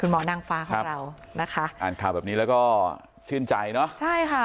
หมอนางฟ้าของเรานะคะอ่านข่าวแบบนี้แล้วก็ชื่นใจเนอะใช่ค่ะ